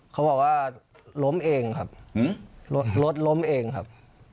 เขาบอกว่าล้มเองครับรถล้มเองครับ